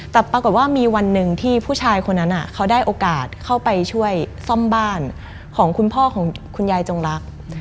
แต่ปรากฏว่ามีวันหนึ่งที่ผู้ชายคนนั้นเขาได้โอกาสเข้าไปช่วยซ่อมบ้านของคุณพ่อของคุณยายจงรัก